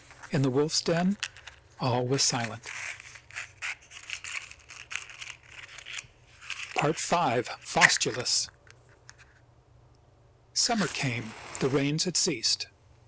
In the wolf's den all was silent. V. FAUSTULUS Summer came. The rains had ceased.